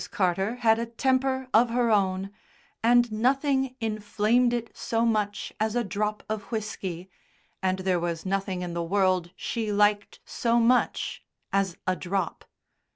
Carter had a temper of her own, and nothing inflamed it so much as a drop of whisky, and there was nothing in the world she liked so much as "a drop."